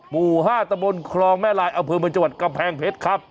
ปู่๕ตำบลคลองแม่ลายเอาเพิ่มมาจวดกำแพงเพชรครับ